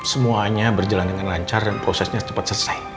semuanya berjalan dengan lancar dan prosesnya cepat selesai